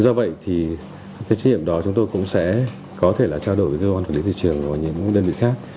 do vậy thì cái trách nhiệm đó chúng tôi cũng sẽ có thể là trao đổi với cơ quan quản lý thị trường và những đơn vị khác